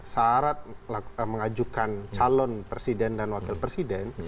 syarat mengajukan calon presiden dan wakil presiden